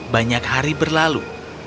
banyak hari berlalu